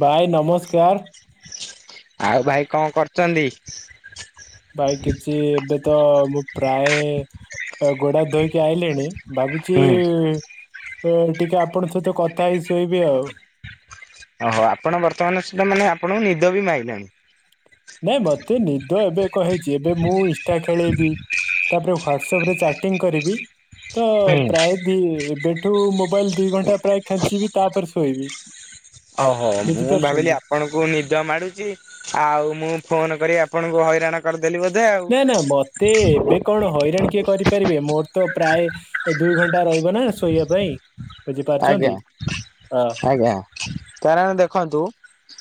ଭାଇ ନମସ୍କାର ଆଉ ଭାଇ କଣ କରୁଛନ୍ତି? ଭାଇ କିଛି ଏବେ ତ ମୁଁ ପ୍ରାୟ ଗୋଡହାତ ଧୋଇକି ଆଇଲିଣି। ଭାବୁଛି ଟିକେ ଆପଣଙ୍କ ସହିତ କଥା ହେଇ ଶୋଇବି ଆଉ। ଓହୋ ଆପଣ ବର୍ତ୍ତମାନ ସେଟା ମାନେ ଆପଣଙ୍କୁ ନିଦ ବି ମାଇଲାଣି। ନାଇଁ ମତେ ନିଦ ଏବେ କଣ ହେଇଛି, ଏବେ ମୁଁ ଇନଷ୍ଟା ଖେଳେଇବି। ତାପରେ ହ୍ଵାଟସପ ରେ ଚାଟିଂ କରିବି ତ ପ୍ରାୟ ଦି ଏବେଠୁ ମୋବାଇଲ ଦି ଘଣ୍ଟା ପ୍ରାୟ ଖେଞ୍ଚିବି ତାପରେ ଶୋଇବି। ଓହୋ ମୁଁ ଭାବିଲି ବୁଝିପାରୁଛନ୍ତି ଆପ ଆପଣଙ୍କୁ ନିଦ ମାଡୁଛି, ଆଉ ମୁଁ ଫୋନ କରି ଆପଣଙ୍କୁ ହଇରାଣ କରିଦେଲି ବୋଧେ ଆଉ। ନା ନା ମତେ ଏବେ କଣ ହଇରାଣ କିଏ କରିପାରିବେ, ମୋର ତ ପ୍ରାୟ ଦୁଇ ଘଣ୍ଟା ରହିବ ନା ଶୋଇବା ପାଇଁ। ଆଜ୍ଞା ବୁଝିପାରୁଛନ୍ତି ହଁ ଆଜ୍ଞା, କାରଣ ଦେଖନ୍ତୁ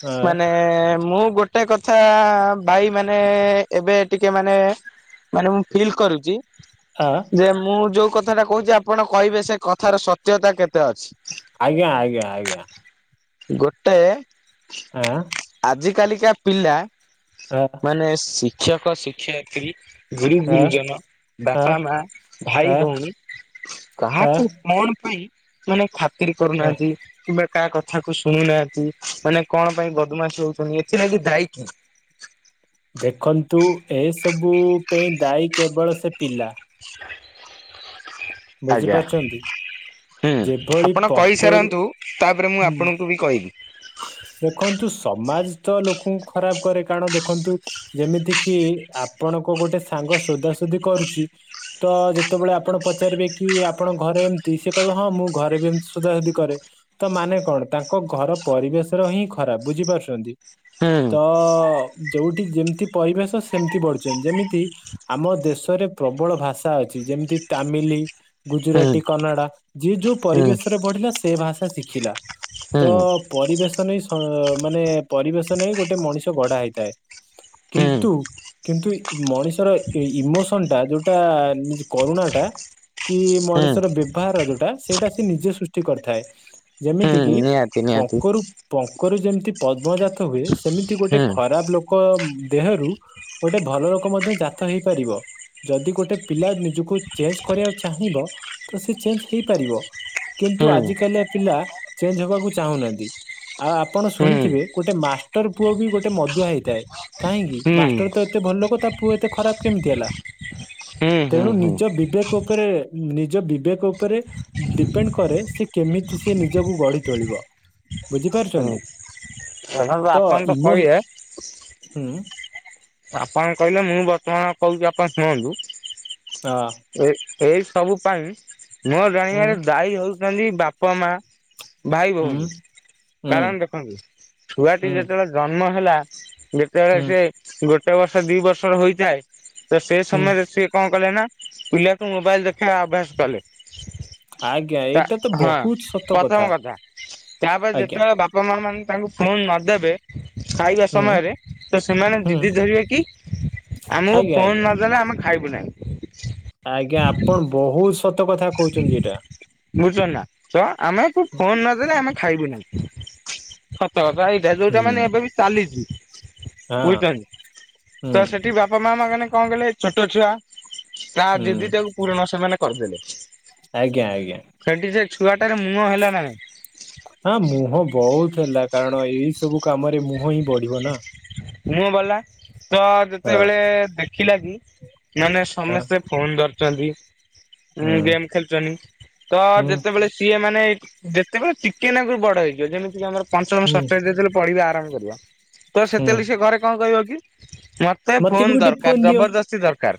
ହଁ ମାନେ ମୁଁ ଗୋଟେ ଗୋଟେ କଥା ଭାଇ ମାନେ ଏବେ ଟିକେ ମାନେ ମାନେ ମୁଁ ଫିଲ୍ କରୁଛି ହଁ। ଯେ ମୁଁ ଯୋଉ କଥାଟା କହୁଛି ଆପଣ କହିବେ ସେ କଥାର ସତ୍ୟତା କେତ କେତେ ଅଛି, ଆଜ୍ଞା ଆଜ୍ଞା ଆଜ୍ଞା ଗୋଟେ ହଁ। ଆଜି କାଲିକା ପିଲା ଆଁ ମାନେ ଶିକ୍ଷକ ଶିକ୍ଷୟତ୍ରୀ। ଗୁରୁ ଆଁ ଗୁରୁଜନ, ବାପା ଆଁ ମା, ଭାଇ ଆଁ ଭଉଣୀ ଆଁ କାହାକୁ କଣ ପାଇଁ ମାନେ ଖାତିର ଆଁ କରୁନାହାନ୍ତି? କିମ୍ୱା କାହା କଥା କୁ ଶୁଣୁନାହାନ୍ତି ମାନେ କଣ ପାଇଁ ବଦମାସ ହଉଛନ୍ତି ଏଥିଲାଗି ଦାୟୀ କିିଏ? ଦେଖନ୍ତୁ ଏସବୁ ପାଇଁ ଦାଇ କେବଳ ସେ ପିଲା। [inaudible] ବୁଝିପାରୁଛନ୍ତି? ହୁଁ ଯେଭଳି ଆପଣ ପଙ୍କରୁ କହିସାରନ୍ତୁ ତାପରେ ମୁଁ ହୁଁ। ଆପଣଙ୍କୁ ବି କହିବି। ଦେଖନ୍ତୁ ସମାଜ ତ ଲୋକଙ୍କୁ ଖରାପ କରେ, କାରଣ ଦେଖନ୍ତୁ ଯେମିତିକିି ଆପଣଙ୍କ ଗୋଟେ ସାଙ୍ଗ ଶୋଦା ଶୋଦି କରୁଛି ତ ଯେତେବେଳେ ଆପଣ ପଚାରିବେ କି ଆପଣଙ୍କ ଘରେ ଏମିତି ସେ କହିବ ହଁ ମୁଁ ଘରେ ବି ଏମତି ସୁଧା ସୁଧି କରେ। ତ ମାନେ କଣ, ତାଙ୍କ ଘର ପରିବେଶର ହିଁ ଖରାପ ବୁଝିପାରୁଛନ୍ତି, ହୁଁ ତ ଯୋଉଠି ଯେମିତି ପରିବେଶ ସେମିତି ବଢିଛନ୍ତି ଯେମିତି ଆମ ଦେଶରେ ପ୍ରବଳ ଭାଷା ଅଛି, ଯେମିତି ତାମିଲ ହୁଁ ଗୁଜୁରାଟୀ, କନଡ଼ା ଯିଏ ଯୋଉ ହୁଁ ପରିବେଶରେ ବଢିଲା ସେ ଭାଷା ଶିଖିଲା, ହୁଁ ତ ପରିବେଶ ନେଇଁ ସ ମାନେ ପରିବେଶ ନେଇ ହିଁ ଗୋଟେ ମଣିଷ ଗଢା ହେଇଥାଏ। ହୁଁ କିନ୍ତୁ କିନ୍ତୁ ମଣିଷର ଏ ଇମୋସନ ଟା ଯୋଉଟା ନି କରୁଣା ଟା। କି ହୁଁ ମଣିଷର ବ୍ୟବହାର ଯୋଉଟା ସେଇଟା ସେ ନିଜେ ସୃଷ୍ଟି କରିଥାଏ। ହୁଁ ଯେମିତି କିି ନିହାତି ନିହାତି ପଙ୍କରୁ ପଙ୍କରୁ ଯେମିତି ପଦ୍ମଜାତ ହୁଏ। ସେମିତି ଗୋଟେ ହୁଁ ଖରାପ ଲୋ କ ଦେହରୁ ଗୋଟେ ଭଲ ରୋଗ ମଧ୍ୟ ଜାତ ହେଇପାରିବ। ଯଦି ଗୋଟେ ପିଲା ନିଜକୁ ଚେଞ୍ଜ କରିବାକୁ ଚାହିଁବ ତ ସେ ଚେଞ୍ଜ ହେଇପାରିବ। କିନ୍ତୁ ହୁଁ ଆଜି କାଲିଆ ପିଲା ଚେଞ୍ଜ ହବାକୁ ଚାହୁଁନାହାନ୍ତି। ଆଉ ଆପଣ ହୁଁ ଶୁଣିଥିବେ ଗୋଟେ ମାଷ୍ଟର ପୁଅ ବି ଗୋଟେ ମଦୁଆ ହେଇଥାଏ। କାହିଁକି ହୁଁ ମାଷ୍ଟର ତ ଏତେ ଭଲ ଲୋକ ତା ପୁଅ ଏତେ ଖରାପ କେମିତି ହେଲା? ହୁଁ ହୁଁ ତେଣୁ ନିଜ ହୁଁ ବିବେକ ଉପରେ ନିଜ ବିବେକ ଉପରେ ଡିପେଣ୍ଡ କରେ ସେ କେମିତି ସେ ନିଜକୁ ଗଢି ତୋଳିବ? ବୁଝିପାରୁଛନ୍ତି? ହୁଁ ତ ଆପଣ ଇମ କହିବେ ହୁଁ ଆପଣ କହିଲେ ମୁଁ ବର୍ତ୍ତମାନ କହୁଛି ଆପଣ ଶୁଣନ୍ତୁ। ହଁ। ଏ ଏଇ ସବୁ ପାଇଁ ମୋ ହୁଁ ଜାଣିବାରେ ଦାୟୀ ହଉଛନ୍ତି ବାପା ମା। ଭାଇ ହୁଁ ଭଉଣୀ ହୁଁ କାରଣ ଦେଖନ୍ତୁ। ଛୁଆଟି ହୁଁ ଯେତେବେଳେ ଜନ୍ମ ହେଲା ଦେ ଯେତେବେଳେ ହୁଁ ସିଏ ଗୋଟେ ବର୍ଷ ଦି ବର୍ଷ ହୋଇଥାଏ ତ ସେ ହୁଁ ସମୟରେ ସିଏ କଣ କଲେ ନା ପିଲାକୁ ମୋବାଇଲ ଦେଖେଇବା ଅଭ୍ୟାସ କଲେ। ଆଜ୍ଞା ତା ଏଇଟା ତ ହଁ ବହୁତ ସତ ପ୍ରଥମ କଥା ତାପରେ ଆଜ୍ଞା ଯେତେବେଳେ ବା ବାପା ମାଆ ମାନେ ତାଙ୍କୁ ଫୋନ୍ ନଦେବେ ଖାଇବା ହୁଁ ସମୟରେ ତ ସେମାନେ ଜି ହୁଁ କରିବାକି ଆମକୁ ଆଜ୍ଞା ଫୋନ ଆଜ୍ଞା ନଦେଲେ ଆମେ ଖାଇବୁ ନାହିଁ। ଆଜ୍ଞା ଆପଣ ବହୁତ ସତ କଥା କହୁଛନ୍ତି ଏଇଟା। ବୁଝୁଛନ୍ତି ନା ତ ଆମେ ଫୋନ ନଦେଲେ ଆମେ ଖାଇବୁନି ସତ କଥା ଭାଇ। ହୁଁ ଯୋଉଟା ମାନେ ଏବେ ବି ଚାଲିଛି। ହଁ ବୁଝୁଛନ୍ତି। ହୁଁ ତ ସେଠି ବାପା ମା ମାମାନେ କଣ କଲେ ଛୋଟ ଛୁଆ ତା ହୁଁ ଯିଦିଟାକୁ ପୂରଣ ସେମାନେ କରିଦେଲେ। ଆଜ୍ଞା ଆଜ୍ଞା। ସେଠି ସେ ଛୁଆଟାରେ ମୁହ ହେଲା ନାଇଁ? ହ ମୁହଁ ବହୁତ ହେଲା କାରଣ ଏଇ ସବୁ କାମରେ ମୁହଁ ହିଁ ବଢିବ ନା। ମୁହଁ ବଢ଼ିଲା ତ ହଁ ଯେତେବେଳେ ଦେଖିଲା କି ମାନେ ହଁ ସମସ୍ତେ ଫୋନ ଧରିଛନ୍ତି ଉଁ ହୁଁ ଗେମ୍ ଖେଳ ଛନ୍ତି ତ ହୁଁ ଯେତେବେଳେ ସିଏ ମାନେ ଯେତେବେଳେ ଚିକେନକରୁ ବଡ ହେଇଯିବ ଯେମିତି କି ଆମର ପଞ୍ଚମ ହୁଁ ଷଷ୍ଠ ଯେତେବେଳେ ପଢିବା ଆରମ୍ଭ କରିବା ତ ହୁଁ ସେତେବେଳେ ସେ ଘରେ କଣ କହିବ କି? ମ ତେ ମତେ ବି ଫୋନ୍ ଗୋଟେ ଦରକାର ଫୋନ ଦିଅ ଜବରଦସ୍ତି ଦରକାର।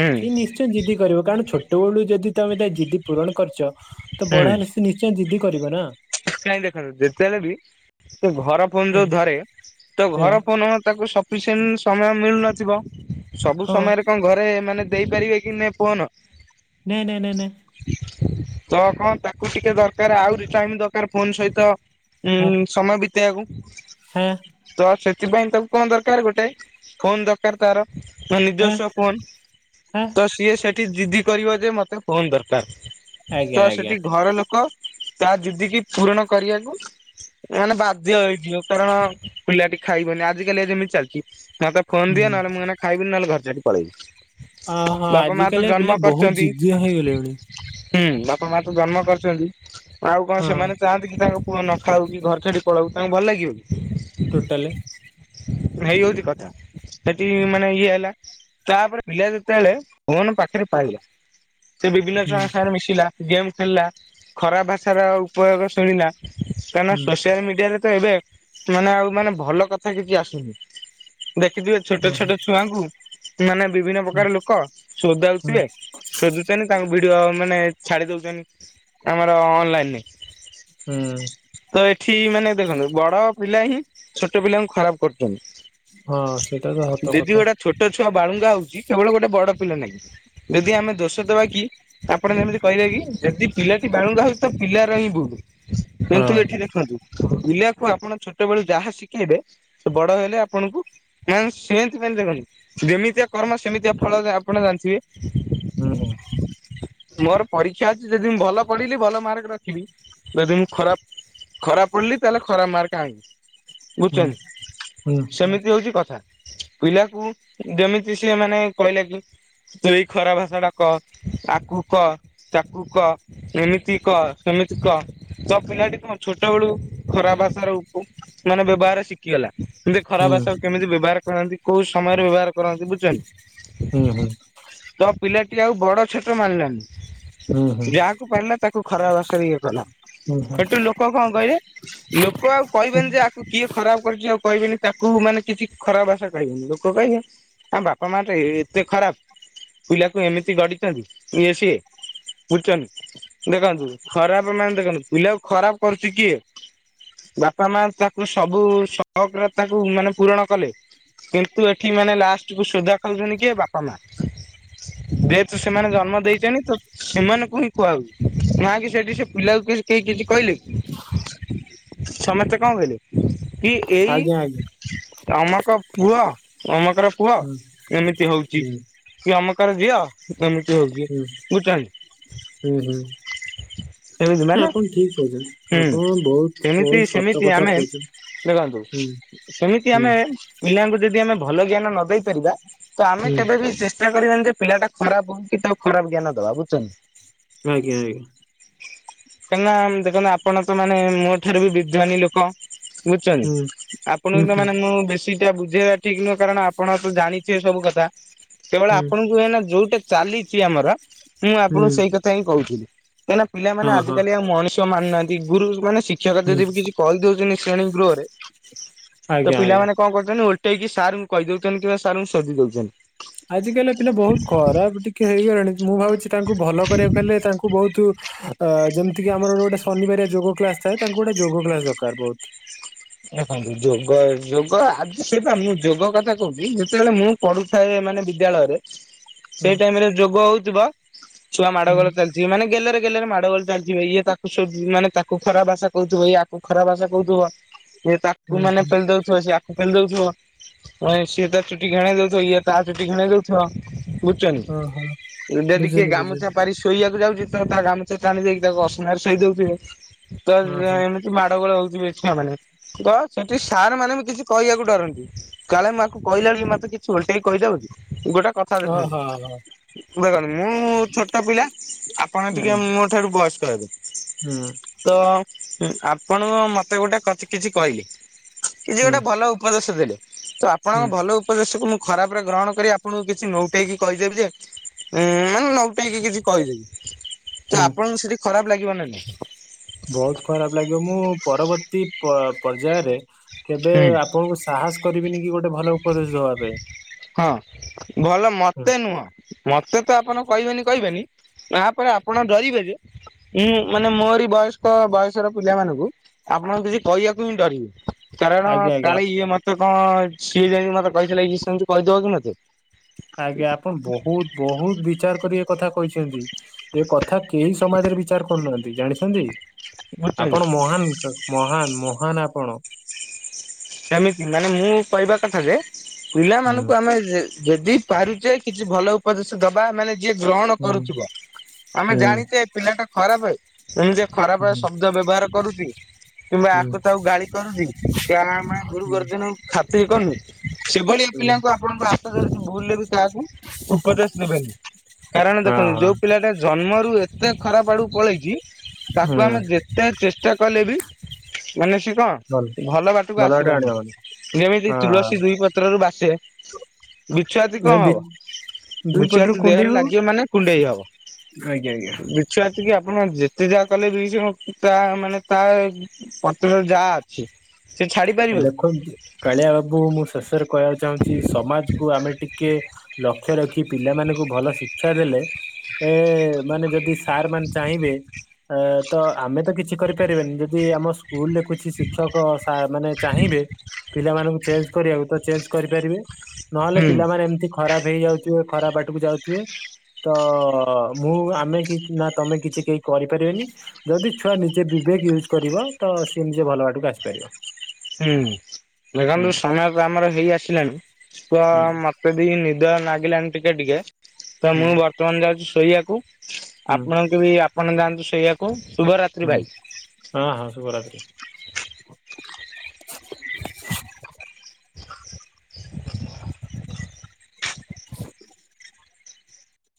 ହୁଁ ସେ ଜିଦି କରିବ କାରଣ ଛୋଟ ବେଳୁ ଯଦି ତମେ ତା ଜିଦି ପୂରଣ କରଛ ତ ବଢ ହୁଁ ହେଲେ ସ ନିଶ୍ଚୟ ଜିଦି କରିବନା। କାହିଁ ଦେଖନ୍ତୁ ଯେତେବେଳେ ବି ସେ ଘର ଫୋନ ଯୋଉ ଧରେ ତ ହଁ ଘର ଫୋନ ତାକୁ ସଫିସେଣ୍ଟ ସମୟ ମିଳୁନଥିବ। ସବୁ ହଁ ସମୟରେ କଣ ଘରେ ମାନେ ଦେଇ ପାରିବେ କି? ନେ ଫୋନ। ନେ ନେ ନେ ତ କଣ ତାକୁ ଟିକେ ଦରକାର ଆହୁରି ଟାଇମ ଦରକାର ଫୋନ ସହିତ। ଉୁଁ ସମୟ ବିତେଇବାକୁ ହଁ। ତ ସେଥିପାଇଁ ତାକୁ କଣ ଦରକାର? ଗୋଟେ ଫୋନ ଦର ଦରକାର ତାର ବା ହାଁ ନିଜସ୍ୱ ଫୋନ ହାଁ ତ ସିଏ ସେଠ ଠି ଜିଦି କରିବ ଯେ ମତେ ଫୋନ ଦରକାର ଆଜ୍ଞା ତ ଆଜ୍ଞା ସେଠି ଘର ଲୋକ ତା ଯିଦି କିି ପୂରଣ କରିବାକୁ ମାନେ ବାଧ୍ୟ ହେଇଥିଲୁ କାରଣ ପିଲାଟି ଖାଇବନି ଆଜିିକାଲି ଯେମିତି ଚାଲିଛି। ମତେ ଫୋନ ଦିଅ ହୁଁ ନହେଲେ ମୁଁ ଏଇନା ଖାଇବିନି ନହେଲେ ଘର ଛାଡି ପଳେଇବି। ହଁ ହଁ ବାପା ମା ତ ଆଜିକାଲିକା ଜନ୍ମ ପିଲା ବହୁତ କରିଛନ୍ତି ଜିଦିଆ ହେଇଗଲେଣି। ହୁଁ ବାପା ମା ତ ଜନ୍ମ କରିଛନ୍ତି ଆଉ କଣ ହଁ ସେମାନେ ଚାହାନ୍ତି କି ତାଙ୍କ ପୁଅ ନଖାଉ କି ଘର ଛାଡି ପଳାଉ ତାଙ୍କୁ ଭଲ ଲାଗିବ କି। ଟୋଟାଲେ ସେଇ ହେଉଛି କଥା। ସେଠି ମାନେ ଇଏ ହେଲା ତାପରେ ପିଲା ଯେତେବେଳେ ଫୋନ୍ ପାଖରେ ପାଇଲା ସେ ବିଭିନ୍ନ ହୁଁ ଛୁଆଙ୍କ ସାଙ୍ଗରେ ମିଶିଲା ଗେମ୍ ଖେଳିଲା ଖରାପ ଭାଷାର ଉପଯୋଗ ଶୁଣିଲା। କାହିଁକ ନା ହୁଁ ସୋସିଆଲ ମିଡିଆରେ ଏବେ ମାନେ ଆଉ ମାନେ ଭଲ କଥା କିଛି ଆସୁନି ଦେଖିଥିବେ ଛୋଟ ହଁ ହଁ ଛୋଟ ଛୁଆଙ୍କୁ ମାନେ ବିଭିନ୍ନ ହୁଁ ପ୍ରକାର ଲୋକ ହୁଁ ସୋଧାଉଥିବେ ସେନ୍ତି ତାଙ୍କୁ ଭିଡିଓ ମାନେ ଛାଡି ଦୋଉଛନ୍ତି ଆମର ଅନଲାଇନରେ। ହୁଁ। ତ ଏଠି ମାନେ ଦେଖନ୍ତୁ ବଡ଼ ପିଲା ହିଁ ଛୋଟ ପିଲାଙ୍କୁ ଖରାପ ହଁ ସେଇଟା ତ କରୁଚନ୍ତି ସତ ଦିଦି କଥା ଏଗୁଡା ଛୋଟ ଛୁଆ ବାଳୁଙ୍ଗା ହୋଉଛି କେବଳ ଗୋଟେ ବଡ଼ ପିଲା ନାଗି ଯଦି ଆମେ ଦୋଷ ଦେବା କି? ଆପଣ ମାନେ ଯଦି କହିବେ କି ଯଦି ପିଲାଟି ବାଲୁଙ୍ଗା ହୋଉଛି ତ ପିଲାର ହିଁ ଭୁଲୁ। ହଁ କିନ୍ତୁ ଏଠି ଦେଖନ୍ତୁ ପିଲାକୁ ଆପଣ ଛୋଟବେଳୁ ଯାହା ଶିଖେଇବେ ସେ ବଡ଼ ହେଲେ ଆପଣଙ୍କୁ ମାନେ ସେଥିପାଇଁ ଦେଖନ୍ତୁ ଯେମିତିଆ କର୍ମ ସେମିତିଆ ଫଳ ଆପଣ ଜାଣିଥିବେ? ହୁଁ ହୁଁ। ମୋର ପରୀକ୍ଷା ଅଛି ଯଦି ମୁଁ ଭଲ ପଢିଲି ଭଲ ମାର୍କ ରଖିବି। ଯଦି ମୁଁ ଖରାପ ଖରାପ ପଡିଲି ତାହେଲେ ଖରା ମାର୍କ ଆଇଲି। ହୁଁ ବୁଝୁଚନି ହୁଁ ସେମି ଇଏ ହେଉଛି କଥା ପିଲାକୁ ଯେମିତି ସିଏ ମାନେ କହିଲା କି ତୁ ଏଇ ଖରା ଭାଷା ଟା କ ଆକୁ କ ତାକୁ କ ଏମିତି କ ସେମିତି କ ତ ପିଲାଟି କଣ ଛୋଟ ବେଳୁ ଖରା ଭାଷାରେ ମାନେ ବ୍ୟବହାର ଶି କି ହେଲା ସେମିତି ଖରା ହୁଁ ଭାଷାକୁ କେମିତି ବ୍ୟବହାର କରନ୍ତି କୋଉ ସମୟରେ ବ୍ୟବହାର କରନ୍ତି ବୁଝୁଛନ୍ତି। ହୁଁ ହୁଁ। ତ ପିଲାଟି ଆଉ ବଡ଼ ଛୋଟ ମାନିଲାନି। ହୁଁ ହୁଁ ହୁଁ ଯାହାକୁ ପାରିଲା ତାକୁ ଖରାପ୍ ଭାଷା ଇଏ କଲା। ହୁଁ ହୁଁ ସେଠୁ ଲୋକ କଣ କହିଲେ ଲୋକ ଆଉ କହିବେନି ଯେ ଆକୁ କିଏ ଖରାପ କହିକି ଆଉ କହିବିନି ତାକୁ ମାନେ କିଛି ଖରାପ ଭାଷା କହିବେନି ଲୋକ କହିବେ ତାଙ୍କ ବାପା ମା ଟା ଏତେ ଖରାପ୍। ପିଲାକୁ ଏମିତି ଗଡିଛନ୍ତି ଏ ସିଏ ବୁଝୁଛନ୍ତି। ଦେଖନ୍ତୁ ଖରାପ୍ ମାନେ ଦେଖନ୍ତୁ ପିଲା ଖରାପ କରୁଛି କିଏ? ବାପା ମା ତାକୁ ସବୁ ଶକ ତାକୁ ମାନେ ପୂରଣ କଲେ କିନ୍ତୁ ଏଠି ମାନେ ଲାଷ୍ଟ କୁ ସୁଧା ଖାଉଛନ୍ତି କି ବାପା ମା। ଯେହେତୁ ସେମାନେ ଜନ୍ମ ଦେଇଛନ୍ତି ତ ସେମାନଙ୍କୁ ହିଁ କୁହା ହଉଛି ନ କି ସେଠି ସେ ପିଲାକୁ କି କେହି କିଛି କହିଲେ ସମସ୍ତେ କଣ କହିଲେ କି ଏଇ ଆଜ୍ଞା ଆଜ୍ଞା ଅମକ ପୁଅ ଅମକର ପୁଅ ହୁଁ ଏମିତି ହୋଉଛି। ହୁଁ କି ଅମକର ଝିଅ ଏମିତି ହେଉଚି ହୁଁ ମୁଁ କାଇଁ ହୁଁ ହୁଁ ଏମିତି ମାନେ ଆପଣ ଠିକ୍ କହିଛନ୍ତି ହୁଁ ଆପଣ ବହୁତ ସେମିତି ବହୁତ ସତ ସେମିତି କଥା ଆମେ କହୁଛନ୍ତି। ଦେଖନ୍ତୁ ହୁଁ ସେମିତି ହୁଁ ଆମେ ପିଲାଙ୍କୁ ଯଦି ଆମେ ଭଲ ଜ୍ଞାନ ନ ଦେଇପାରିବା ତ ଆମେ ହୁଁ କେବେ ବିି ଚେ ଷ୍ଟା କରିବାନି ଯେ ପିଲା ଟା ଖରାପ ହଉ କି ତାକୁ ଖରାପ ଜ୍ଞାନ ଦବା ବୁଝୁଚନ୍ତି? ଆଜ୍ଞା ଆଜ୍ଞା। କାହିଁକି ନା ଦେଖନ୍ତୁ ଆପଣ ତ ମାନେ ମୋ ଠାରୁ ବି ବିଦ୍ୱାନୀ ଲୋକ ବୁଝୁଛନ୍ତି ହୁଁ ଆପଣ ହୁଁ ତ ହୁଁ ମାନେ ମୁଁ ବେଶ୍ ସେଟା ବୁଝେଇବା ଠିକ୍ ନୁହଁ କାରଣ ଆପଣ ତ ଜାଣିିବେ ସବୁ କଥା କେବଳ ହୁଁ ଆପଣଙ୍କୁ ଏ ଯୋଉଟା ଚାଲିଛି ଆମର ମୁଁ ହୁଁ ଆପଣଙ୍କୁ ସେଇ କଥା ହିଁ କହୁଥିଲି କାହିଁକିନା ପିଲାମାନେ ହଁ ହଁ ଆଜିକାଲି ଆଉ ମଣିଷ ମାନୁନାହାନ୍ତି ଗୁରୁ ମାନେ ଶିକ୍ଷକ ହୁଁ ଯଦି ବି କିଛି କହିଦଉଛନ୍ତି ଶ୍ରେଣୀ ଗୃହରେ ତ ଆଜ୍ଞା ଆଜ୍ଞା। ପିଲାମାନେ କଣ କରୁଛନ୍ତି ଓଲଟେଇକି ସାର୍ଙ୍କୁ କହିଦଉଛନ୍ତି କିମ୍ବା ସାର୍ଙ୍କୁ ସୋଦି ଦଉଛନ୍ତି। ଆଜି କାଲିକା ପିଲା ବହୁତ ଖରାପ ଟିକେ ହେଇଗଲେଣି। ମୁଁ ଭାବୁଛି ତାଙ୍କୁ ଭଲ କରିବାକୁ ହେଲେ ତାଙ୍କୁ ବହୁତ ଅ ଯେମତିିକି ଆମର ଗୋଟ ଗୋଟେ ଶନିବାରିଆ ଯୋଗ କ୍ଲାସ ଥାଏ ତାଙ୍କୁ ଗୋଟେ ଯୋଗ କ୍ଲାସ ଦରକାର ବହୁତ। ଦେଖନ୍ତୁ ଯୋଗ ଯୋଗ ଆଜି ସେଟା ମୁଁ ଯୋଗ କଥା କହୁଛି ଯେତେବେଳେ ମୁଁ। ପଢୁଥାଏ ମାନେ ବିଦ୍ୟାଳୟରେ ହୁଁ ସେଇ ଟାଇମ ରେ ଯୋଗ ହଉଥିବା ଛୁଆ ମାଡ ହୁଁ ଗୋଳ ଚାଲି ଜିଏ ମାନେ ଗେଲରେ ଗେଲରେ ମାଡ ଗୋଳ ଚାଲିଥିବ ଇଏ ତାକୁ ସବୁ ଶୋ ମାନେ ତାକୁ ଖରାପ ଭାଷା କହୁଥିବ ଇଏ ୟାକୁ ଖରାପ ଭାଷା କହୁଥିବ। ସିଏ ହୁଁ ତାକୁ ମାନେ ହୁଁ ପେଲି ଦଉଥିଵ ସିଏ ଆକ ସିଏ ପେଲି ଦଉଥିବ ମେ ସିଏ ତା ଚୁଟି ଘେଣେଇ ଦଉଥିବ ଇଏ ତା ଚୁଟି ଘେଣେଇ ଦଉଥିବ। ଓହୋ ବୁଝୁଛନ୍ତି ଯଦି କିଏ ବୁଝିଲି ବୁଝିଲି ଗାମୁଛା ପାରି ଶୋଇବାକୁ ଯାଉଛି ତ ତା ଗାମୁଛା ଟାଣି ଦେଇକି ତାକୁ ଅସନାରେ ଶୋଇ ଦଉଥିବେ ତ ଓହୋ ଏମିତି ମା ଟ ଗୋଳ ହଉଥିବେ ଛୁଆମାନେ ତ ସେଠି ସାର୍ ମାନେ ବି କିଛି କହିବାକୁ ଡରନ୍ତି। କାଳେ ମୁଁ ଆକୁ କହିଲାବେଳେ ବି ମତେ କିଛି ଓଲଟେଇକି କହିଦେବକି। ଗୋଟେ କ ସାର ଓହୋ। ଓହୋ ଦେଖନ୍ତୁ ଦେଖନ୍ତୁ ମୁଁ ଛୋଟ ପିଲା ଆପଣ ହୁଁ ଟିକେ ମୋ ତାଠୁ ବୟସ୍କ ହେବେ। ହୁଁ। ତ ଆପଣ ମତେ ଗୋଟେ କଥା କିଛି କହିଲେ। କିଛି ହୁଁ ଗୋଟେ ଭଲ ଉପଦେଶ ଦେଲେ ତ ଆପଣଙ୍କ ହୁଁ ଭଲ ଉ ଉପଦେଶକୁ ମୁଁ ଖରାପ ରେ ଗ୍ରହଣ କରି ଆପଣଙ୍କୁ କିଛି ନଉଟେଇକି କହିଦେବ ଯେ। ଉଁ ମାନେ ନଉଟେଇକି କିଛି କହିଦେବି ତ ହୁଁ ଆପଣଙ୍କୁ ସେଠି ଖରାପ ଲାଗିବନା ନାଇଁ? ବହୁତ ଖରାପ ଲାଗିବ ମୁଁ ପରବର୍ତ୍ତୀ ପ ପର୍ଯ୍ୟାୟରେ କେବେ ହୁଁ ଆପଣଙ୍କୁ ସାହସ କରିବିନି କି ଗୋଟେ ଭଲ ଉପଦେଶ ଦବା ପାଇଁ। ହଁ ଭଲ ହୁଁ, ମତେ ନୁହଁ ମତେ ତ ଆପଣ କହିବେନି କହିବେନି ତାପରେ ଆପଣ ଡରିବେ ଯେ ମୁଁ ମାନେ ମୋରି ବୟସ୍କ ବୟସର ପିଲାମାନାନଙ୍କୁ ଆପଣଙ୍କୁ କିଛି କହିବାକୁ ହିଁ ଡରିବି। କାରଣ ଆଜ୍ଞା ଆଜ୍ଞା କାଳେ ଇଏ ମତେ କଣ ସିଏ ଯେମିତି ମତେ କହିଥିଲେ ଏ ସେମତି କହିଦବ କି ମତେ। ଆଜ୍ଞା ଆପଣ ବହୁତ ବହୁତ ବିଚାର କରି ଏ କଥା କହିଛନ୍ତି। ଏ କଥା କେହି ସମାଜରେ ବିଚାର କରୁନାହାଁନ୍ତି ଜାଣିଛନ୍ତି ବୁଝୁଛନ୍ତି ଆପଣ ମହାନ। ମହାନ ମହାନ ଆପଣ। ସେମିତି ମାନେ ମୁଁ କହିବା କଥା ଯେ ହୁଁ ପିଲାମାନଙ୍କୁ ଆମେ ଯେ ଯେଦି ପାରୁଚେ କିଛି ଭଲ ଉପଦେଶ ଦବା ମାନେ ଯିଏ ଗ୍ରହଣ ହୁଁ ହୁଁ। କରୁଥିବ ଆମେ ହୁଁ ଜାଣିଚେ ପିଲାଟା ଖରାପେ। ଏମିତିଆ ଖରାପ ଶବ୍ଦ ବ୍ୟବହାର କରୁଚି କିମ୍ବା ହୁଁ ଆକୁ ତାକୁ ଗାଳି କରୁଚି ଗୁରୁ ଗୁରୁଜନକୁ ଖାତିରି କରୁନି ସେଭଳିଆ ପିଲାଙ୍କୁ ଆପଣଙ୍କ ହାତ ଧରିକି ଭୁଲରେେ ବି କାହାକୁ ଉପଦେଶ ଦେବେନି କାରଣ ହଁ ଦେଖନ୍ତୁ ହଁ ଯୋଉ ପିଲାଟା ଜନ୍ମରୁ ଏତେ ଖରାପ ଆଡ଼କୁ ପଳେଇଛି ତାକୁ ଆମେ ହୁଁ ଯେତେ ଚେଷ୍ଟା କଲେ ବି ମାନେ ସି କଣ ଭଲ ବାଟକୁ ବାଟେ ଆସିବନି ଆଣିବ ମାନେ ଯେମିତି ହଁ ତୁଳସୀ ଦୁଇ ପ ପତ୍ର ରୁ ବାସେ ବିଛୁଆତି ନାଇଁ କଣ ବି ହବ? ଦୁଇ ପଟରୁ ବିଛୁଆତି କୁଣ୍ଡେଇ ଦେହରେ ହବ ଲାଗିବ ମାନେ କୁଣ୍ଡେଇ ହବ। ଆଜ୍ଞା ଆଜ୍ଞା। ବିଛୁଆତିକି ଆପଣ ଯେତେ ଯାହା କଲେ ବି ସେକଣ ତା ମାନେ ତା ପତ୍ରରେ ଯାହା ଅଛି ସେ ଛା ଦେଖନ୍ତୁ କାଳିଆ ବାବୁ ମୁଁ ଶେଷରେ କହିବାକୁ ଚାହୁଁଛି ସମାଜକୁ ଆମେ ଟିକେ ଲକ୍ଷ୍ୟ ରଖି ପିଲାମାନଙ୍କୁ ଭଲ ଶିକ୍ଷା ଦେଲେ ଏ ମାନେ ଯଦି ସାର୍ ମାନେ ଚାହିଁବେ ଏଁ ତ ଆମେ ତ କିଛି କରିପାରିବାନି ଯଦି ଆମ ସୁ ସ୍କୁଲରେ କିଛି ଶିକ୍ଷକ ସା ମାନେ ଚାହିଁବେ ପିଲାମାନଙ୍କୁ ଚେଞ୍ଜ କରିବାକୁ ତ ଚେଞ୍ଜ କରିପାରିବେ ନହଲେ ହୁଁ ପିଲମାନେ ଏମିତି ଖରାପ ହେଇଯାଉଥିବେ ଖରାପ ବାଟକୁ ଯାଉଥିବେ। ତ ମୁଁ ଆମେ କି ନା ତମେ କିଛି କେହି କରିପାରିବେନି। ଯଦି ଛୁଆ ନିଜେ ବିବେକ୍ ୟୁଜ୍ କରିବ ତ ସିଏ ନିଜେ ଭଲ ବାଟକୁ ଆସିପାରିବ। ହୁଁ ହୁଁ ଦେଖନ୍ତୁ ସମୟ ତ ଆମର ହେଇ ଆସିଲାଣି ତ ହୁଁ। ମ ଯଦି ନିଦ ଲାଗିଲାଣିି ଟିକେ ଟିକେ ତ ହୁଁ ମୁଁ ବର୍ତ୍ତମାନ ଯାଉଛି ଶୋଇବାକୁ। ହୁଁ ଆପଣଙ୍କୁ ବି ଆପଣ ଯାଆନ୍ତୁ ସେଇଆକୁ ଶୁଭରାତ୍ ହୁଁ ହଁ ହଁ ଶୁଭ ରାତ୍ରି। [inaudible] [unintelligible]